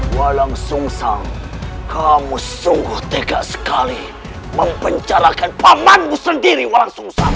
walang sungsang kamu sungguh tegak sekali mempencalakan pamanmu sendiri walang sungsang